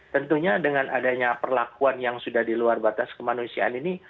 tentunya dengan adanya perlakuan yang sudah di luar batas kemanusiaan ini